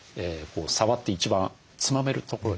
触って一番つまめるところですね。